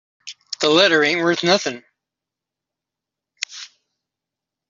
The letter ain't worth nothing.